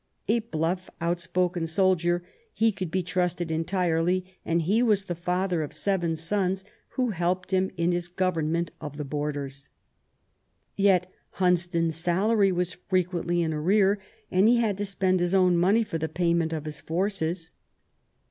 A bluff, outspoken soldier, he could be trusted entirely; and he was the father of seven sons who helped him in his government of the borders. Yet Hunsdon's salary was frequently in arrear, and he had to spend his own money for the payment of his forces.